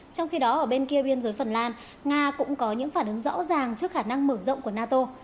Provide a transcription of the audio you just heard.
trong khi đó ở bên kia biên giới phần lan nga cũng có những phản ứng rõ ràng trước khả năng mở rộng của nato